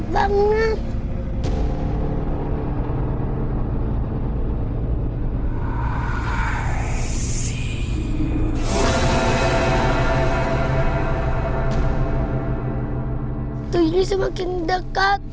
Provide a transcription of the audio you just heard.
terdiri semakin dekat